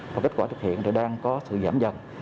và kết quả thực hiện thì đang có sự giảm dần